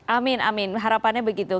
amin amin harapannya begitu